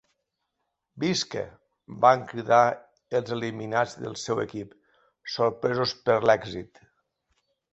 Visca! —van cridar els eliminats del seu equip, sorpresos per l'èxit—